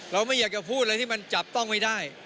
เราไม่อยากจะพูดอะไรที่มันจับต้องไม่ได้